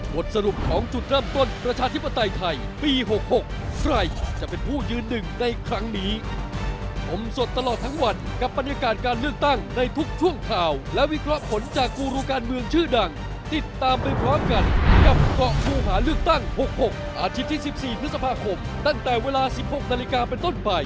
โปรดติดตามตอนต่อไป